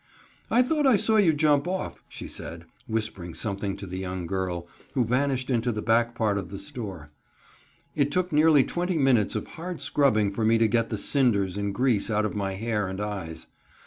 "I thought I saw you jump off," she said, whispering something to the young girl, who vanished into the back part of the store. It took nearly twenty minutes of hard scrubbing for me to get the cinders and grease out of my hair and eyes.